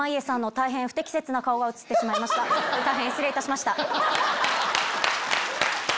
大変失礼いたしました。